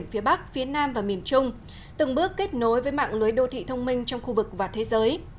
phía bắc phía nam và miền trung từng bước kết nối với mạng lưới đô thị thông minh trong khu vực và thế giới